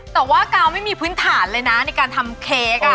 แต่ว่ากาวไม่มีพื้นฐานเลยนะในการทำเค้ก